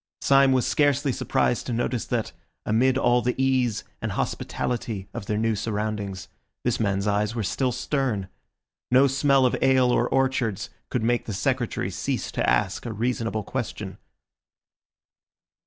Syme was scarcely surprised to notice that, amid all the ease and hospitality of their new surroundings, this man's eyes were still stern. No smell of ale or orchards could make the Secretary cease to ask a reasonable question.